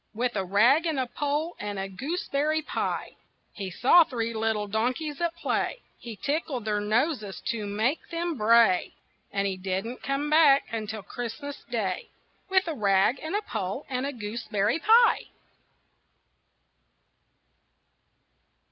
With a rag and a pole and a gooseberry pie. He saw three little donkeys at play, He tickled their noses to make them bray, And he didn't come back until Christmas Day With a rag and a pole and a gooseberry pie.